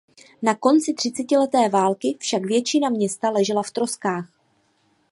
Na konci třicetileté války však většina města ležela v troskách.